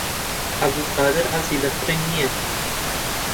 عەبدولقادر حەزی لە فڕین نییە.